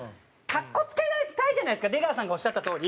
格好付けたいじゃないですか出川さんがおっしゃったとおり。